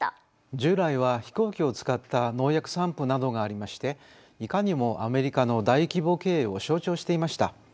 従来は飛行機を使った農薬散布などがありましていかにもアメリカの大規模経営を象徴していました。